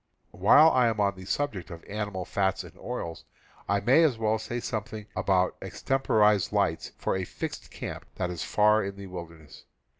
While I am on the subject of animal fats and oils, I may as well say something about extemporized lights „,, T for a fixed camp that is far in the wil Slush Lamps. ,* i v. i • j i derness.